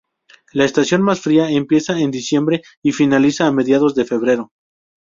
La estación más "fría" empieza en diciembre y finaliza a mediados de febrero.